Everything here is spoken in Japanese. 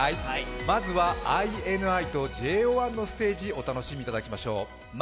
まずはＩＮＩとＪＯ１のステージお楽しみいただきましょう。